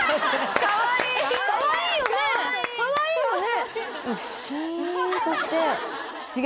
かわいいよね？